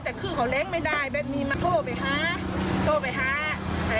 แต่คือเขาเล้งไม่ได้แบบนี้มาโทรไปหาโทรไปหาเอ่อ